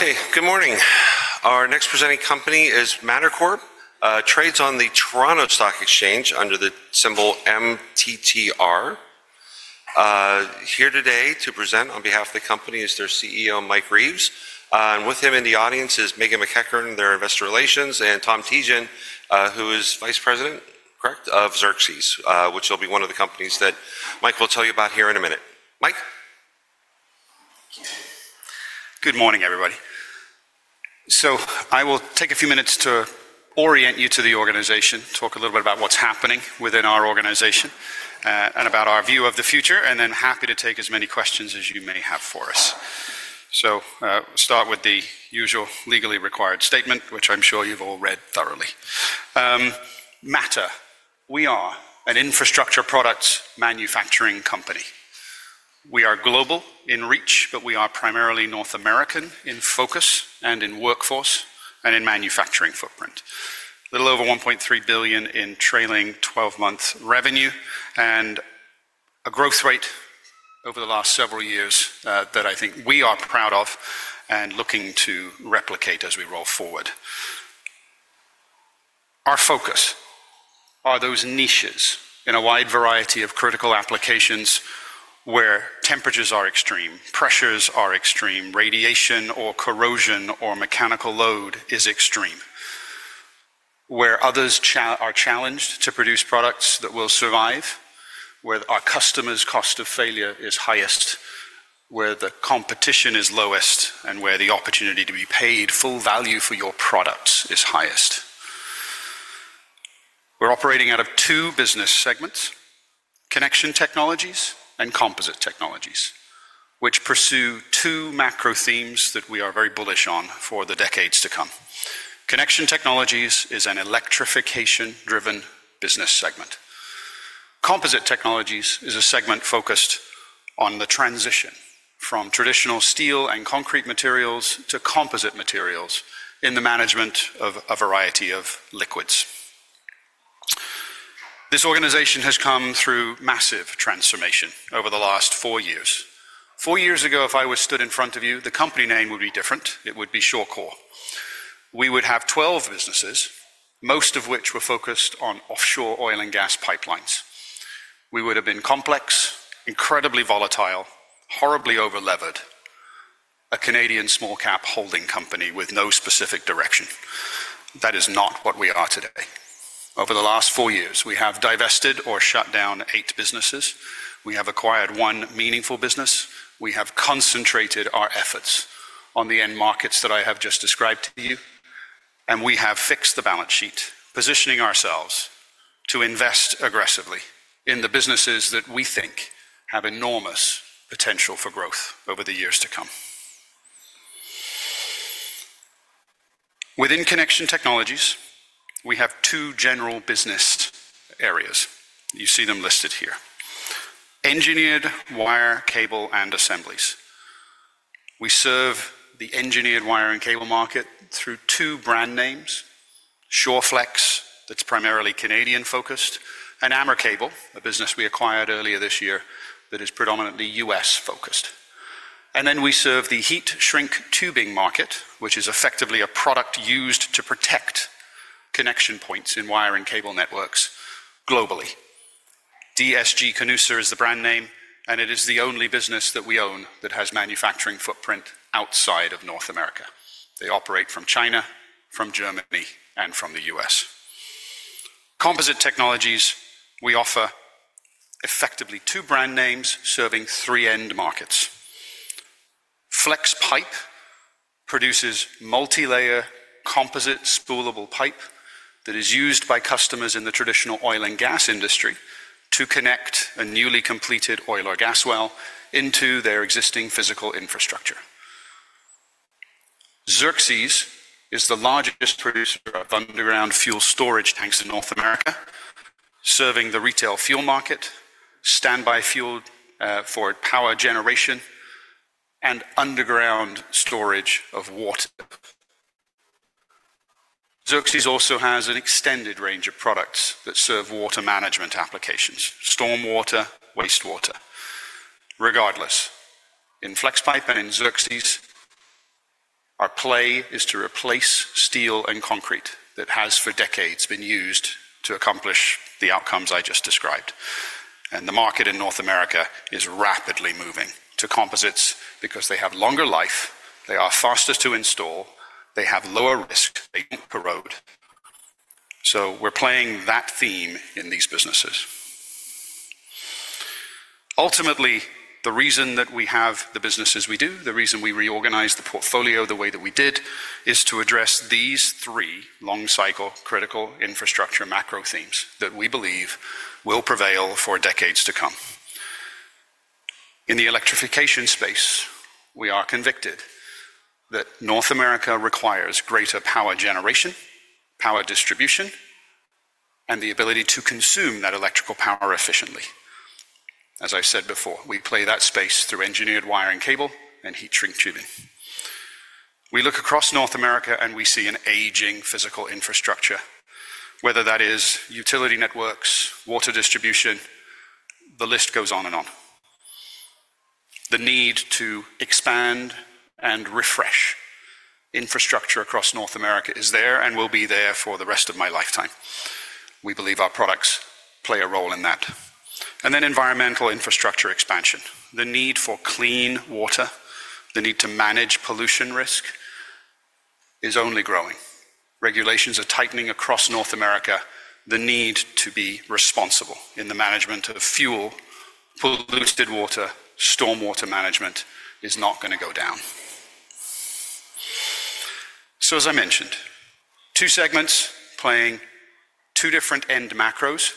Okay, good morning. Our next presenting company is Mattr Corp, trades on the Toronto Stock Exchange under the symbol MTTR. Here today to present on behalf of the company is their CEO, Mike Reeves. With him in the audience is Meghan MacEachern, their investor relations, and Tom Teachen, who is Vice President, correct, of Xerxes, which will be one of the companies that Mike will tell you about here in a minute. Mike? Good morning, everybody. I will take a few minutes to orient you to the organization, talk a little bit about what's happening within our organization, and about our view of the future, then happy to take as many questions as you may have for us. I'll start with the usual legally required statement, which I'm sure you've all read thoroughly. Mattr, we are an infrastructure products manufacturing company. We are global in reach, but we are primarily North American in focus and in workforce, and in manufacturing footprint. A little over $1.3 billion in trailing 12-month revenue, and a growth rate over the last several years that I think we are proud of and looking to replicate as we roll forward. Our focus are those niches in a wide variety of critical applications where temperatures are extreme, pressures are extreme, radiation or corrosion or mechanical load is extreme. Where others are challenged to produce products that will survive, where our customers' cost of failure is highest, where the competition is lowest and where the opportunity to be paid full value for your products is highest. We're operating out of two business segments, connection technologies and composite technologies, which pursue two macro themes that we are very bullish on for the decades to come. Connection technologies is an electrification-driven business segment. Composite technologies is a segment focused on the transition, from traditional steel and concrete materials to composite materials in the management of a variety of liquids. This organization has come through massive transformation over the last four years. Four years ago, if I stood in front of you, the company name would be different. It would be Shawcor. We would have 12 businesses, most of which were focused on offshore oil and gas pipelines. We would have been complex, incredibly volatile, horribly over-levered, a Canadian small-cap holding company with no specific direction. That is not what we are today. Over the last four years, we have divested or shut down eight businesses. We have acquired one meaningful business. We have concentrated our efforts on the end markets that I have just described to you. We have fixed the balance sheet, positioning ourselves to invest aggressively in the businesses that we think have enormous potential for growth over the years to come. Within connection technologies, we have two general business areas. You see them listed here, engineered wire, cable, and assemblies. We serve the engineered wire and cable market through two brand names, Shawflex, that's primarily Canadian-focused, and AmerCable, a business we acquired earlier this year, that is predominantly U.S.-focused. We serve the heat-shrink tubing market, which is effectively a product used to protect connection points in wire and cable networks globally. DSG-Canusa is the brand name, and it is the only business that we own that has manufacturing footprint outside of North America. They operate from China, from Germany, and from the U.S. Composite Technologies, we offer effectively two brand names serving three end markets. Flexpipe produces multi-layer composite spoolable pipe, that is used by customers in the traditional oil and gas industry to connect a newly completed oil or gas well into their existing physical infrastructure. Xerxes is the largest producer of underground fuel storage tanks in North America, serving the retail fuel market, standby fuel for power generation and underground storage of water. Xerxes also has an extended range of products that serve water management applications, stormwater, wastewater. Regardless, in FlexPipe and in Xerxes, our play is to replace steel and concrete that has for decades been used to accomplish the outcomes I just described. The market in North America is rapidly moving to composites, because they have longer life, they are fastest to install, they have lower risk, they [do not] corrode. We are playing that theme in these businesses. Ultimately, the reason that we have the businesses we do, the reason we reorganized the portfolio the way that we did, is to address these three long-cycle critical infrastructure macro themes that we believe will prevail for decades to come. In the electrification space, we are convicted that North America requires greater power generation, power distribution, and the ability to consume that electrical power efficiently. As I said before, we play that space through engineered wire and cable, and heat-shrink tubing. We look across North America, and we see an aging physical infrastructure, whether that is utility networks, water distribution, the list goes on and on. The need to expand and refresh infrastructure across North America is there, and will be there for the rest of my lifetime. We believe our products play a role in that. Environmental infrastructure expansion. The need for clean water, the need to manage pollution risk is only growing. Regulations are tightening across North America. The need to be responsible in the management of fuel, [polluted] water, stormwater management is not going to go down. As I mentioned, two segments playing two different end macros,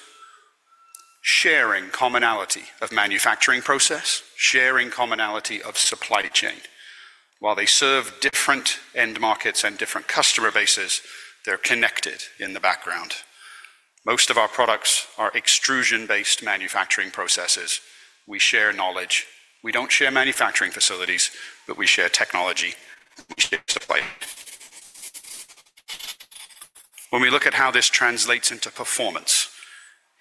sharing commonality of manufacturing process, sharing commonality of supply chain. While they serve different end markets and different customer bases, they're connected in the background. Most of our products are extrusion-based manufacturing processes. We share knowledge. We don't share manufacturing facilities, but we share technology and we share [supply chain]. When we look at how this translates into performance,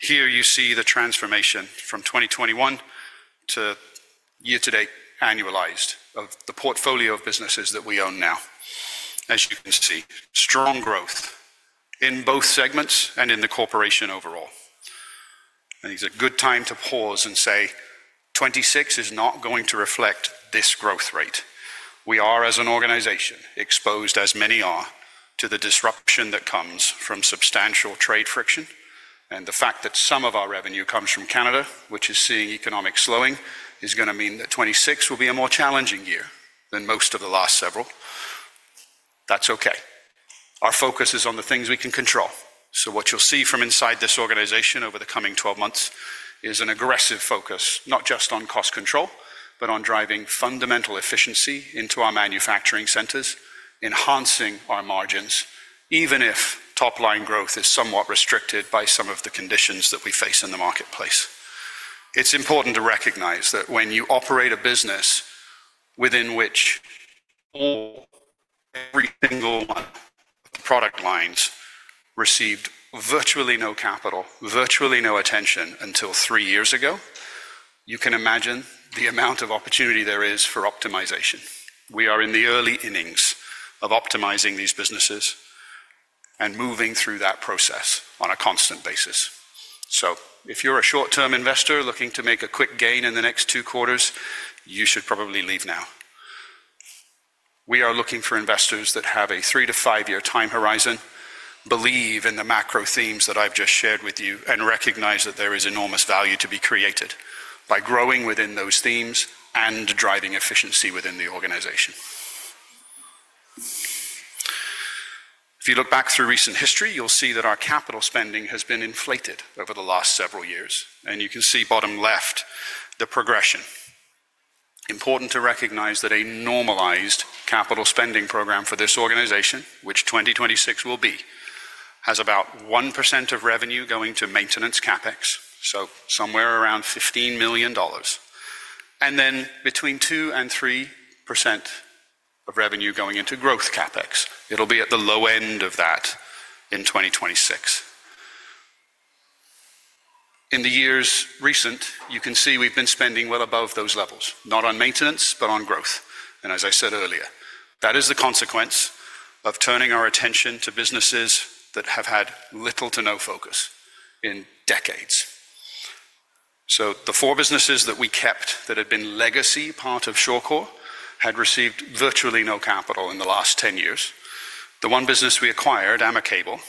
here you see the transformation from 2021 to year-to-date annualized, of the portfolio of businesses that we own now. As you can see, strong growth in both segments and in the corporation overall, it is a good time to pause and say, "2026 is not going to reflect this growth rate." We are, as an organization, exposed, as many are, to the disruption that comes from substantial trade friction. The fact that some of our revenue comes from Canada, which is seeing economic slowing, is going to mean that 2026 will be a more challenging year than most of the last several. That's okay. Our focus is on the things we can control. What you'll see from inside this organization over the coming 12 months is an aggressive focus, not just on cost control, but on driving fundamental efficiency into our manufacturing centers, enhancing our margins, even if top-line growth is somewhat restricted by some of the conditions that we face in the marketplace. It's important to recognize that when you operate a business within which every single product line received virtually no capital, virtually no attention until three years ago, you can imagine the amount of opportunity there is for optimization. We are in the early innings of optimizing these businesses, and moving through that process on a constant basis. If you're a short-term investor looking to make a quick gain in the next two quarters, you should probably leave now. We are looking for investors that have a three to five-year time horizon, believe in the macro themes that I've just shared with you and recognize that there is enormous value to be created, by growing within those themes and driving efficiency within the organization. If you look back through recent history, you'll see that our capital spending has been inflated over the last several years. You can see bottom left, the progression. Important to recognize that a normalized capital spending program for this organization, which 2026 will be, has about 1% of revenue going to maintenance CapEx, so somewhere around $15 million and then between 2%-3% of revenue going into growth CapEx. It'll be at the low end of that in 2026. In the years recent, you can see we've been spending well above those levels, not on maintenance, but on growth. As I said earlier, that is the consequence of turning our attention to businesses that have had little to no focus in decades. The four businesses that we kept that had been legacy part of ShawCor had received virtually no capital in the last 10 years. The one business we acquired, AmerCable,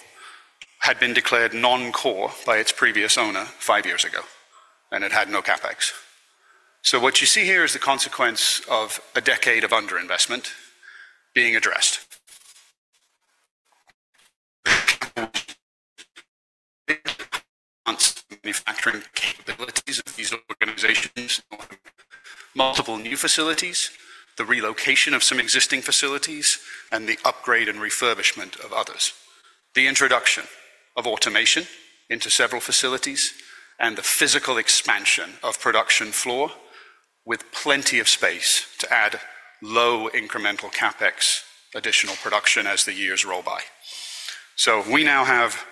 had been declared non-core by its previous owner five years ago and it had no CapEx. What you see here is the consequence of a decade of underinvestment being addressed. advanced manufacturing capabilities of these organizations, multiple new facilities, the relocation of some existing facilities and the upgrade and refurbishment of others. The introduction of automation into several facilities and the physical expansion of production floor, with plenty of space to add low incremental CapEx, additional production as the years roll by. We now have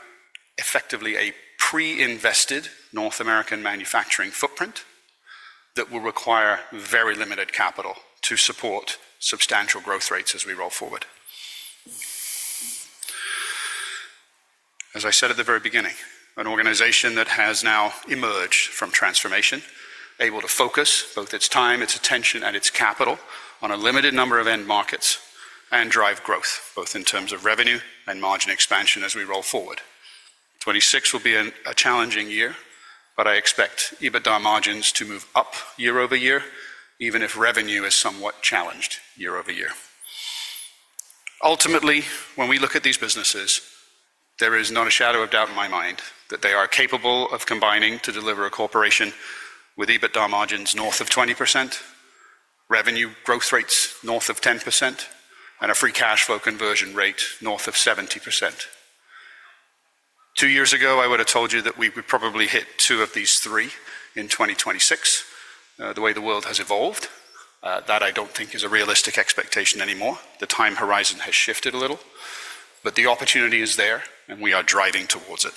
effectively a pre-invested North American manufacturing footprint that will require very limited capital to support substantial growth rates as we roll forward. As I said at the very beginning, an organization that has now emerged from transformation, able to focus both its time, its attention, and its capital on a limited number of end markets and drive growth, both in terms of revenue and margin expansion as we roll forward. 2026 will be a challenging year, but I expect EBITDA margins to move up year-over-year, even if revenue is somewhat challenged year-over-year. Ultimately, when we look at these businesses, there is not a shadow of doubt in my mind that they are capable of combining to deliver a corporation with EBITDA margins north of 20%, revenue growth rates north of 10% and a free cash flow conversion rate north of 70%. Two years ago, I would have told you that we would probably hit two of these three in 2026. The way the world has evolved, that I do not think is a realistic expectation anymore. The time horizon has shifted a little, but the opportunity is there and we are driving towards it.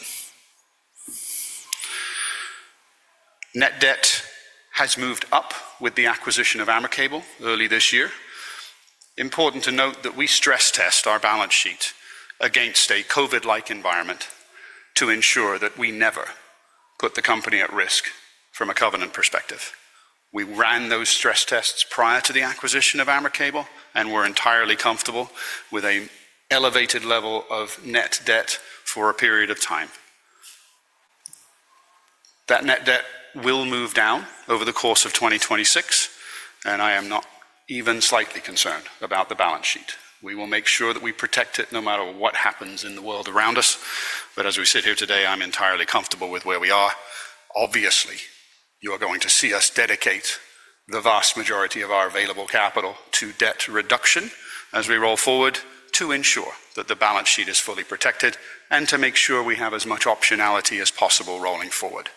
Net debt has moved up with the acquisition of AmerCable early this year. Important to note that we stress test our balance sheet against a COVID-like environment, to ensure that we never put the company at risk from a covenant perspective. We ran those stress tests prior to the acquisition of AmerCable, and were entirely comfortable with an elevated level of net debt for a period of time. That net debt will move down over the course of 2026, and I am not even slightly concerned about the balance sheet. We will make sure that we protect it no matter what happens in the world around us. As we sit here today, I'm entirely comfortable with where we are. Obviously, you are going to see us dedicate the vast majority of our available capital to debt reduction, as we roll forward to ensure that the balance sheet is fully protected and to make sure we have as much optionality as possible rolling forward.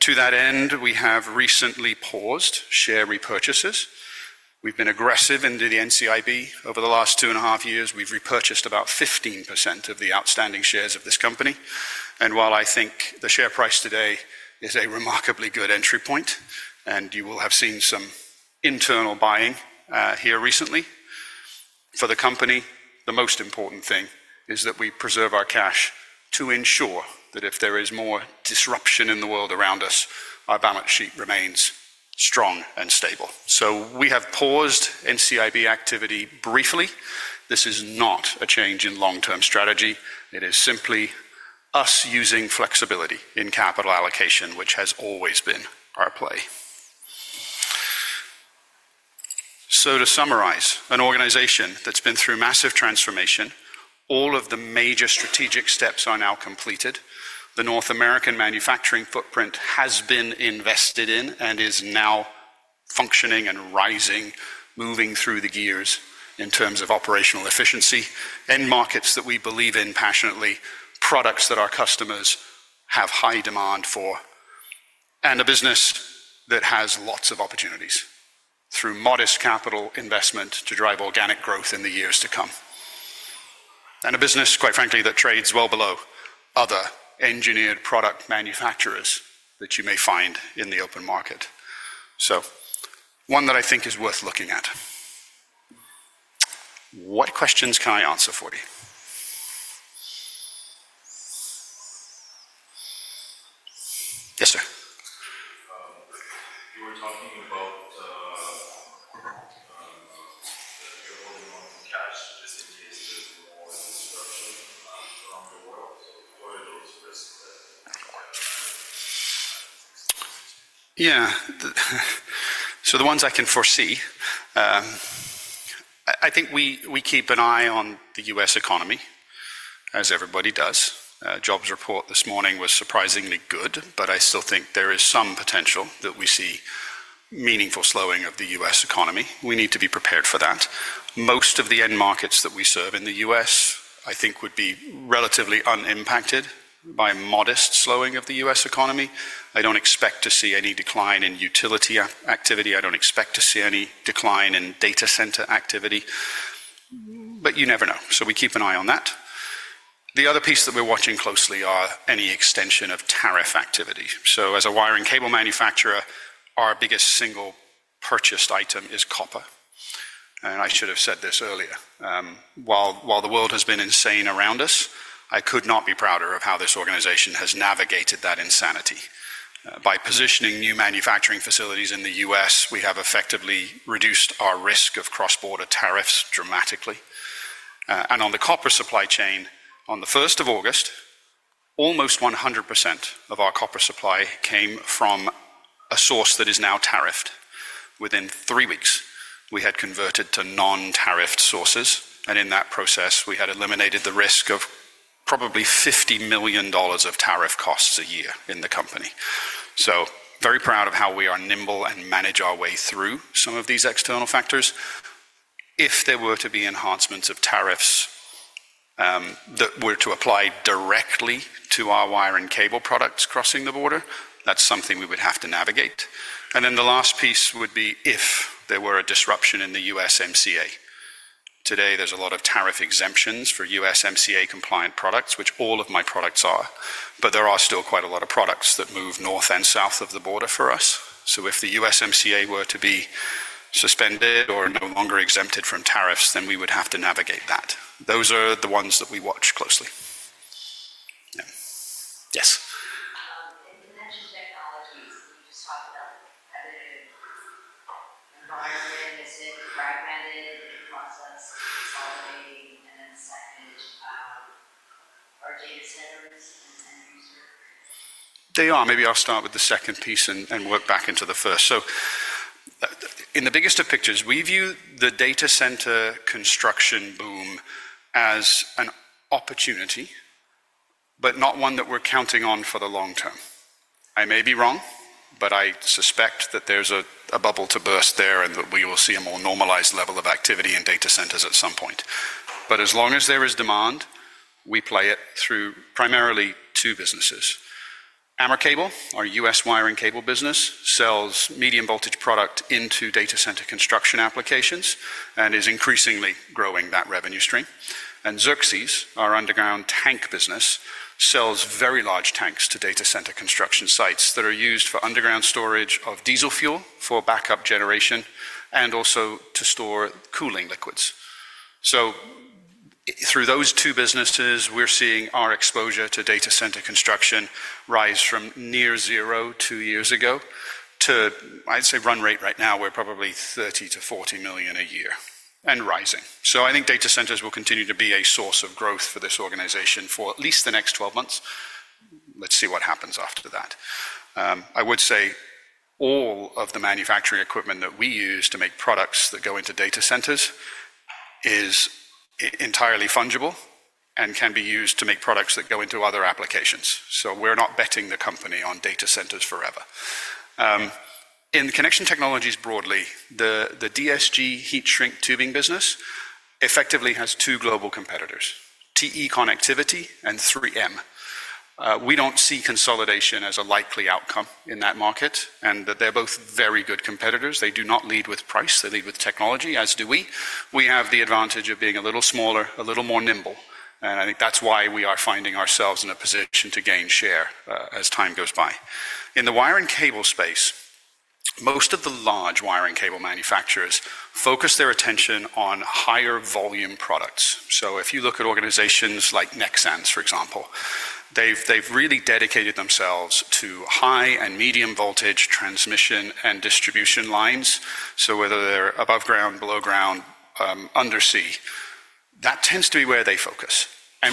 To that end, we have recently paused share repurchases. We've been aggressive into the NCIB over the last two and a half years. We've repurchased about 15% of the outstanding shares of this company. While I think the share price today is a remarkably good entry point, and you will have seen some internal buying here recently, for the company, the most important thing is that we preserve our cash to ensure that if there is more disruption in the world around us, our balance sheet remains strong and stable. We have paused NCIB activity briefly. This is not a change in long-term strategy. It is simply us using flexibility in capital allocation, which has always been our play. To summarize, an organization that's been through massive transformation, all of the major strategic steps are now completed. The North American manufacturing footprint has been invested in, and is now functioning and rising, moving through the gears in terms of operational efficiency, end markets that we believe in passionately, products that our customers have high demand for, and a business that has lots of opportunities through modest capital investment to drive organic growth in the years to come and a business, quite frankly, that trades well below other engineered product manufacturers that you may find in the open market. One that I think is worth looking at. What questions can I answer for you? Yes, sir. Yeah. The ones I can foresee, I think we keep an eye on the U.S. economy, as everybody does. [Job's] report this morning was surprisingly good, but I still think there is some potential that we see, meaningful slowing of the U.S. economy. We need to be prepared for that. Most of the end markets that we serve in the U.S., I think would be relatively unimpacted by modest slowing of the U.S. economy. I do not expect to see any decline in utility activity. I do not expect to see any decline in data center activity. You never know. We keep an eye on that. The other piece that we are watching closely are any extension of tariff activity. As a wire and cable manufacturer, our biggest single-purchased item is copper. I should have said this earlier. While the world has been insane around us, I could not be prouder of how this organization has navigated that insanity. By positioning new manufacturing facilities in the U.S., we have effectively reduced our risk of cross-border tariffs dramatically. On the copper supply chain, on the 1st of August, almost 100% of our copper supply came from a source that is now tariffed. Within three weeks, we had converted to non-tariffed sources. In that process, we had eliminated the risk of probably $50 million of tariff costs a year in the company. I am very proud of how we are nimble, and manage our way through some of these external factors. If there were to be enhancements of tariffs that were to apply directly to our wire and cable products crossing the border, that is something we would have to navigate. The last piece would be, if there were a disruption in the USMCA. Today, there's a lot of tariff exemptions for USMCA-compliant products, which all of my products are, but there are still quite a lot of products that move north and south of the border for us. If the USMCA were to be suspended or no longer exempted from tariffs, then we would have to navigate that. Those are the ones that we watch closely. Yes. Second, are data an end user? They are. Maybe I'll start with the second piece and work back into the first. In the biggest of pictures, we view the data center construction boom as an opportunity, but not one that we're counting on for the long term. I may be wrong, but I suspect that there's a bubble to burst there and that we will see a more normalized level of activity in data centers at some point. As long as there is demand, we play it through primarily two businesses. AmerCable, our U.S. wire and cable business, sells medium voltage product into data center construction applications and is increasingly growing that revenue stream. Xerxes, our underground tank business, sells very large tanks to data center construction sites that are used for underground storage of diesel fuel for backup generation and also to store cooling liquids. Through those two businesses, we're seeing our exposure to data center construction rise from near zero two years ago to, I'd say, run rate right now, we're probably $30 million-$40 million a year and rising. I think data centers will continue to be a source of growth for this organisation for at least the next 12 months. Let's see what happens after that. I would say all of the manufacturing equipment that we use to make products that go into data centers is entirely fungible, and can be used to make products that go into other applications. We're not betting the company on data centers forever. In connection technologies broadly, the DSG heat-shrink tubing business effectively has two global competitors, TE Connectivity and 3M. We do not see consolidation as a likely outcome in that market, and they are both very good competitors. They do not lead with price. They lead with technology, as do we. We have the advantage of being a little smaller, a little more nimble. I think that's why we are finding ourselves in a position to gain share as time goes by. In the wiring cable space, most of the large wiring cable manufacturers focus their attention on higher volume products. If you look at organizations like Nexans, for example, they've really dedicated themselves to high and medium voltage transmission and distribution lines. Whether they're above ground, below ground, undersea, that tends to be where they focus.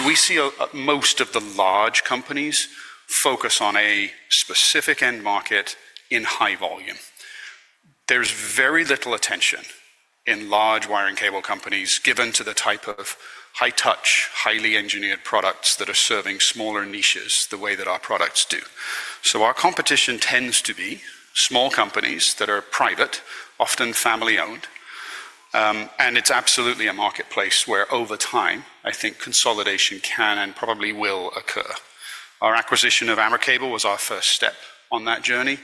We see most of the large companies focus on a specific end market in high volume. There's very little attention in large wiring cable companies given to the type of high-touch, highly engineered products that are serving smaller niches the way that our products do. Our competition tends to be small companies that are private, often family-owned. It is absolutely a marketplace where over time, I think consolidation can and probably will occur. Our acquisition of AmerCable was our first step on that journey.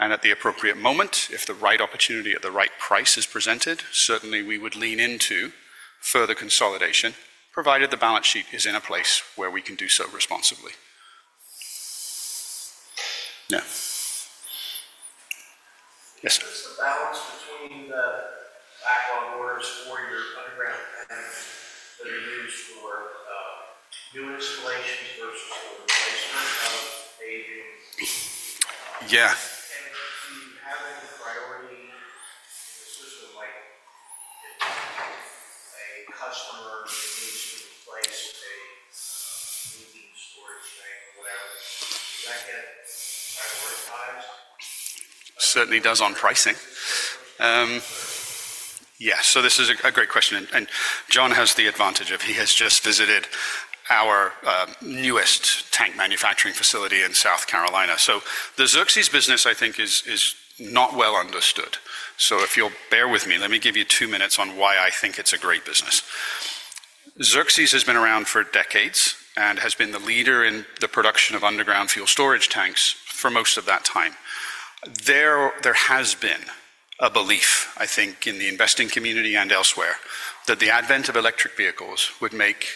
At the appropriate moment, if the right opportunity at the right price is presented, certainly we would lean into further consolidation, provided the balance sheet is in a place where we can do so responsibly. Yes. backlog orders for your underground tanks that are used for new installations versus. Certainly does on pricing. This is a great question. John has the advantage of, he has just visited our newest tank manufacturing facility in South Carolina. The Xerxes business, I think is not well understood. If you'll bear with me, let me give you two minutes on why I think it's a great business. Xerxes has been around for decades, and has been the leader in the production of underground fuel storage tanks for most of that time. There has been a belief, I think in the investing community and elsewhere, that the advent of electric vehicles would make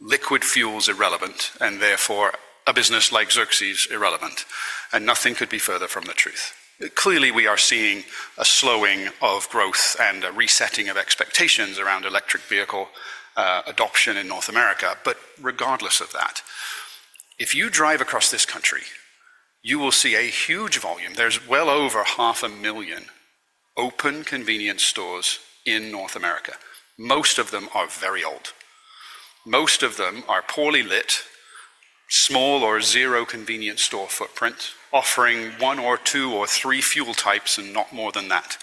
liquid fuels irrelevant and therefore a business like Xerxes irrelevant. Nothing could be further from the truth. Clearly, we are seeing a slowing of growth, and a resetting of expectations around electric vehicle adoption in North America. Regardless of that, if you drive across this country, you will see a huge volume. There are well over 500,000 open convenience stores in North America. Most of them are very old. Most of them are poorly lit, small or zero convenience store footprint, offering one or two, or three fuel types and not more than that.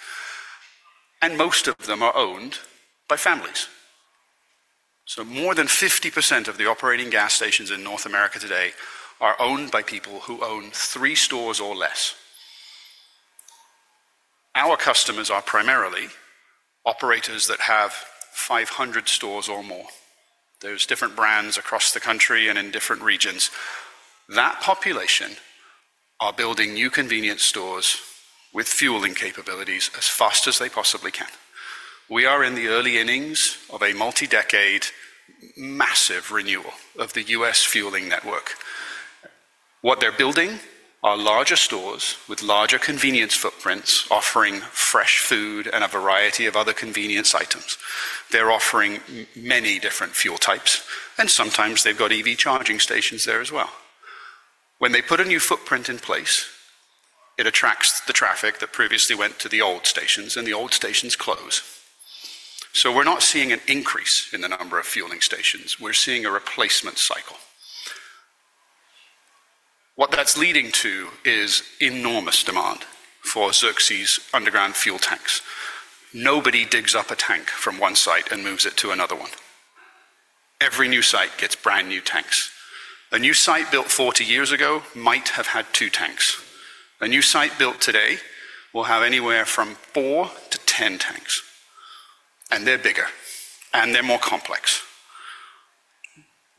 Most of them are owned by families. More than 50% of the operating gas stations in North America today are owned by people who own three stores or less. Our customers are primarily operators that have 500 stores or more. There are different brands across the country and in different regions. That population are building new convenience stores with fueling capabilities as fast as they possibly can. We are in the early innings of a multi-decade massive renewal of the U.S. fueling network. What they are building are larger stores with larger convenience footprints, offering fresh food and a variety of other convenience items. They are offering many different fuel types, and sometimes they have EV charging stations there as well. When they put a new footprint in place, it attracts the traffic that previously went to the old stations and the old stations close. We are not seeing an increase in the number of fueling stations. We are seeing a replacement cycle. What that is leading to is enormous demand for Xerxes underground fuel tanks. Nobody digs up a tank from one site and moves it to another one. Every new site gets brand new tanks. A new site built 40 years ago might have had two tanks. A new site built today will have anywhere from four to 10 tanks. They are bigger, and they are more complex.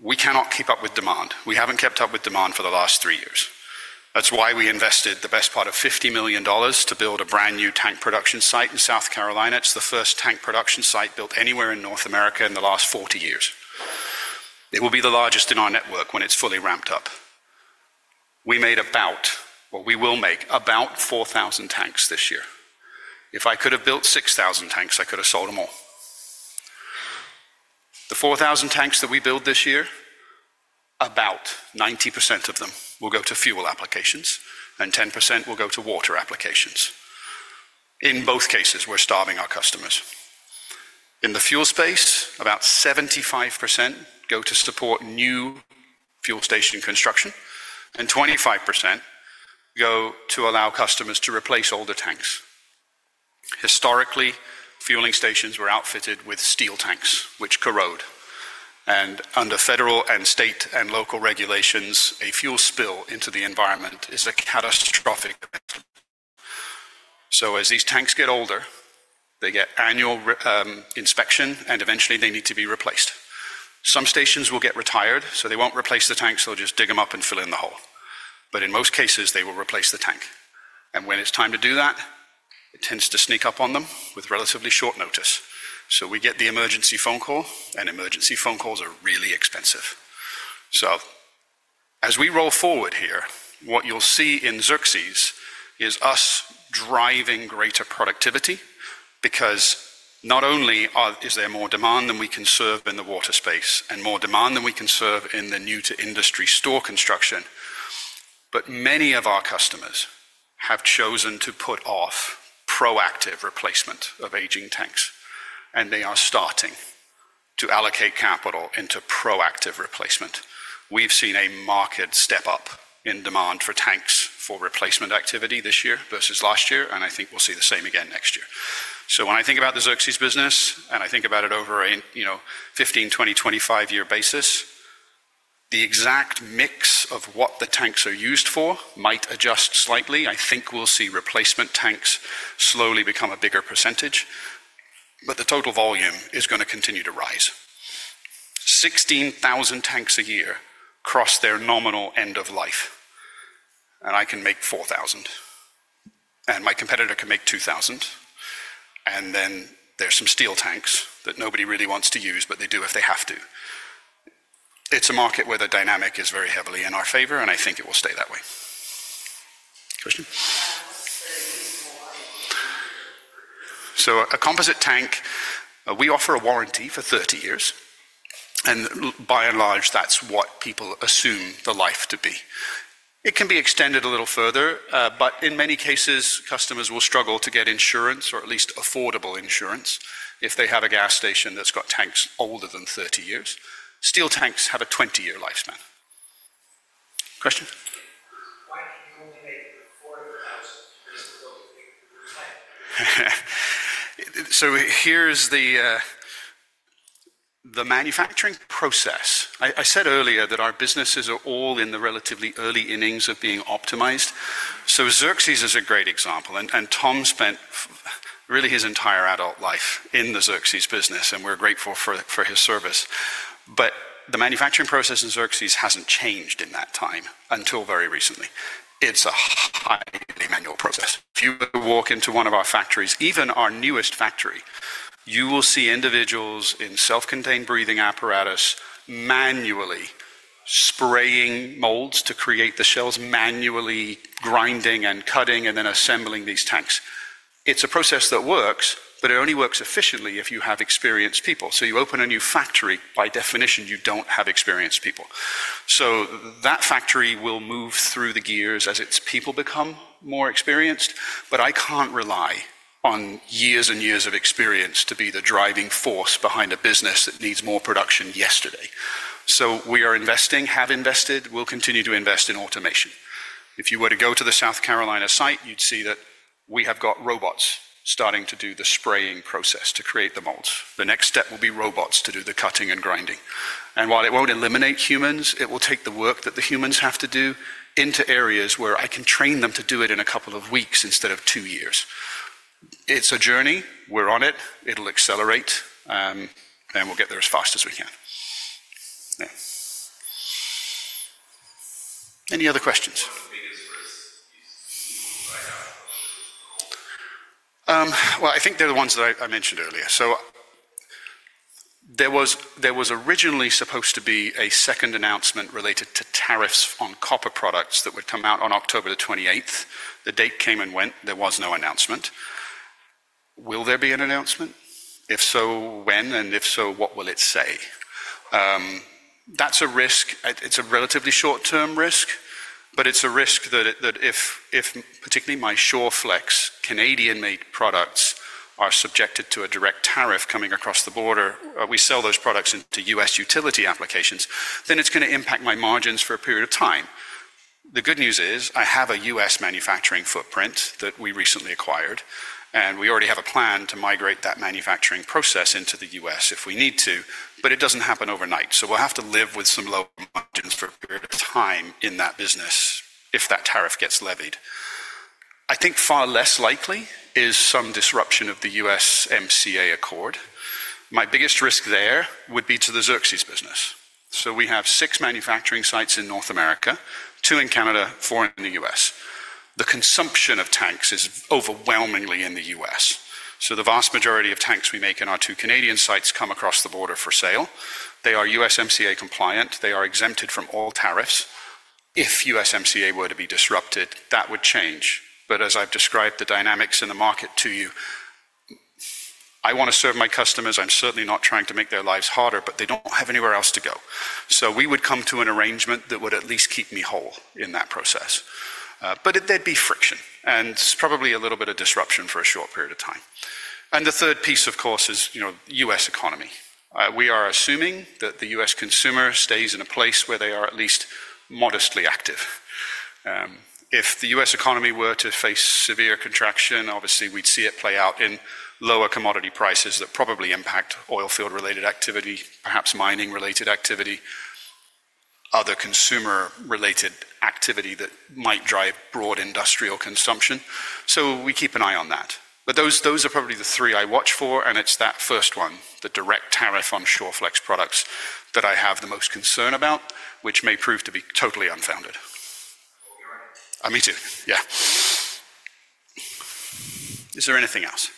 We cannot keep up with demand. We have not kept up with demand for the last three years. That is why we invested the best part of $50 million to build a brand new tank production site in South Carolina. It's the first tank production site built anywhere in North America in the last 40 years. It will be the largest in our network when it's fully ramped up. We will make about 4,000 tanks this year. If I could have built 6,000 tanks, I could have sold them all. The 4,000 tanks that we build this year, about 90% of them will go to fuel applications and 10% will go to water applications. In both cases, we're starving our customers. In the fuel space, about 75% go to support new fuel station construction, and 25% go to allow customers to replace older tanks. Historically, fueling stations were outfitted with steel tanks, which corrode. Under federal and state and local regulations, a fuel spill into the environment is a catastrophic [risk]. As these tanks get older, they get annual inspection and eventually they need to be replaced. Some stations will get retired, so they will not replace the tanks. They will just dig them up and fill in the hole. In most cases, they will replace the tank. When it is time to do that, it tends to sneak up on them with relatively short notice. We get the emergency phone call, and emergency phone calls are really expensive. As we roll forward here, what you will see in Xerxes is us driving greater productivity because not only is there more demand than we can serve in the water space and more demand than we can serve in the new-to-industry store construction, but many of our customers have chosen to put off proactive replacement of aging tanks, and they are starting to allocate capital into proactive replacement. We've seen a market step up in demand for tanks for replacement activity this year versus last year, and I think we'll see the same again next year. When I think about the Xerxes business and I think about it over a 15, 20, 25-year basis, the exact mix of what the tanks are used for might adjust slightly. I think we'll see replacement tanks slowly become a bigger percentage, but the total volume is going to continue to rise. 16,000 tanks a year cross their nominal end of life, and I can make 4,000 and my competitor can make 2,000. There's some steel tanks that nobody really wants to use, but they do if they have to. It's a market where the dynamic is very heavily in our favor, and I think it will stay that way. Question? A composite tank, we offer a warranty for 30 years, and by and large, that's what people assume the life to be. It can be extended a little further, but in many cases, customers will struggle to get insurance or at least affordable insurance, if they have a gas station that's got tanks older than 30 years. Steel tanks have a 20-year lifespan. Question? Here's the manufacturing process. I said earlier that our businesses are all in the relatively early innings of being optimised. Xerxes is a great example, and Tom spent really his entire adult life in the Xerxes business and we're grateful for his service. The manufacturing process in Xerxes hasn't changed in that time, until very recently. It's a highly manual process. If you were to walk into one of our factories, even our newest factory, you will see individuals in self-contained breathing apparatus manually spraying molds to create the shells, manually grinding and cutting, and then assembling these tanks. It's a process that works, but it only works efficiently if you have experienced people. You open a new factory, by definition, you don't have experienced people. That factory will move through the gears as its people become more experienced, but I can't rely on years and years of experience to be the driving force behind a business that needs more production yesterday. We are investing, have invested, will continue to invest in automation. If you were to go to the South Carolina site, you'd see that we have got robots starting to do the spraying process to create the molds. The next step will be robots to do the cutting and grinding. While it won't eliminate humans, it will take the work that the humans have to do into areas where I can train them to do it in a couple of weeks instead of two years. It's a journey. We're on it. It'll accelerate, and we'll get there as fast as we can. Yeah. Any other questions? I think they're the ones that I mentioned earlier. There was originally supposed to be a second announcement related to tariffs on copper products, that would come out on October the 28th. The date came and went. There was no announcement. Will there be an announcement? If so, when? If so, what will it say? That's a risk. It's a relatively short-term risk, but it's a risk that if particularly my Shawflex Canadian-made products are subjected to a direct tariff coming across the border, we sell those products into U.S. utility applications, then it's going to impact my margins for a period of time. The good news is I have a U.S. manufacturing footprint that we recently acquired, and we already have a plan to migrate that manufacturing process into the U.S. if we need to, but it doesn't happen overnight. We will have to live with some lower margins for a period of time in that business, if that tariff gets levied. I think far less likely is some disruption of the USMCA Accord. My biggest risk there would be to the Xerxes business. We have six manufacturing sites in North America, two in Canada, four in the U.S. The consumption of tanks is overwhelmingly in the U.S. The vast majority of tanks we make in our two Canadian sites come across the border for sale. They are USMCA-compliant. They are exempted from all tariffs. If USMCA were to be disrupted, that would change. As I've described the dynamics in the market to you, I want to serve my customers. I'm certainly not trying to make their lives harder, but they don't have anywhere else to go. We would come to an arrangement that would at least keep me whole in that process. There would be friction, and it's probably a little bit of disruption for a short period of time. The third piece of course is the U.S. economy. We are assuming that the U.S. consumer stays in a place where they are at least modestly active. If the U.S. economy were to face severe contraction, obviously we'd see it play out in lower commodity prices that probably impact oilfield-related activity, perhaps mining-related activity, other consumer-related activity that might drive broad industrial consumption. We keep an eye on that. Those are probably the three I watch for, and it's that first one, the direct tariff on Shawflex products that I have the most concern about, which may prove to be totally unfounded. Me too. Yeah, is there anything else?